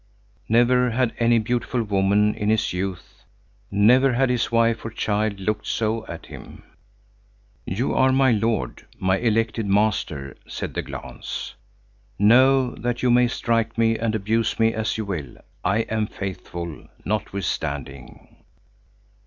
Never had any beautiful woman in his youth, never had his wife or child looked so at him. "You are my lord, my elected master," said the glance. "Know that you may strike me and abuse me as you will, I am faithful notwithstanding."